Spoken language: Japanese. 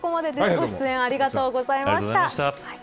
ご出演ありがとうございました。